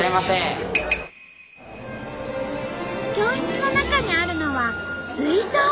教室の中にあるのは水槽。